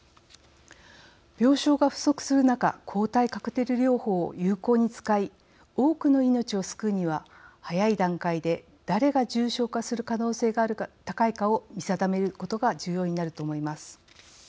病床が不足する中抗体カクテル療法を有効に使い多くの命を救うには、早い段階で誰が重症化する可能性が高いか見定めることが重要になると思います。